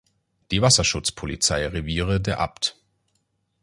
Die Wasserschutzpolizei-Reviere der Abt.